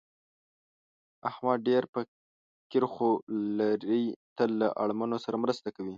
احمد ډېر فقیر خوی لري، تل له اړمنو سره مرسته کوي.